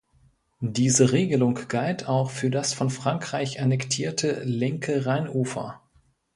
Diese Regelung galt auch für das von Frankreich annektierte Linke Rheinufer.